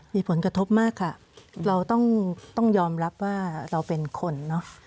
มีผลกระทบมากค่ะเราต้องยอมรับว่าเราเป็นคนเนอะ